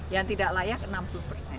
yang tidak layak enam puluh persen